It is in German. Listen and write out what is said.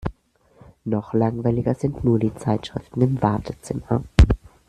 Noch langweiliger sind nur die Zeitschriften im Wartezimmer.